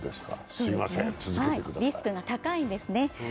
リスクが高いんですね。